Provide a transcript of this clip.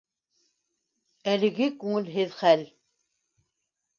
Әлеге күңелһеҙ хәл